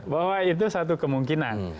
bahwa itu satu kemungkinan